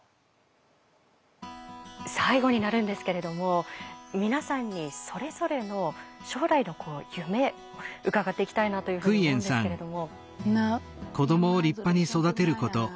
最後になるんですけれども皆さんにそれぞれの将来の夢伺っていきたいなというふうに思うんですけれども。